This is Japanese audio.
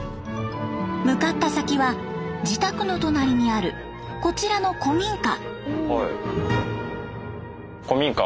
向かった先は自宅の隣にあるこちらの古民家。